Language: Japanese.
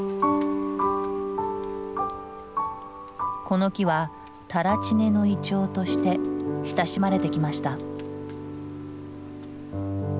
この木は垂乳根のイチョウとして親しまれてきました。